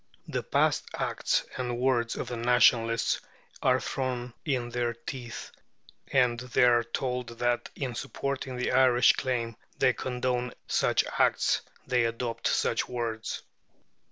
The past acts and words of the Nationalists are thrown in their teeth, and they are told that in supporting the Irish claim they condone such acts, they adopt such words.